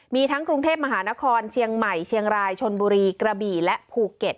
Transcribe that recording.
มีทั้งกรุงเทพมหานครเชียงใหม่เชียงรายชนบุรีกระบี่และภูเก็ต